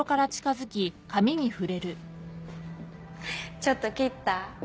ちょっと切った？